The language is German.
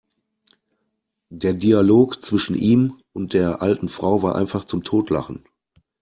Der Dialog zwischen ihm und der alten Frau war einfach zum Totlachen!